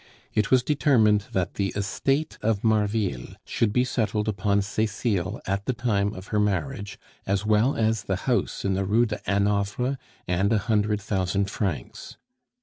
It was determined that the estate of Marville should be settled upon Cecile at the time of her marriage, as well as the house in the Rue de Hanovre and a hundred thousand francs.